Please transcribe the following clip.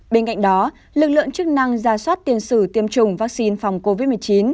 bên cạnh đó lực lượng chức năng ra soát tiền sử tiêm chủng vaccine phòng covid một mươi chín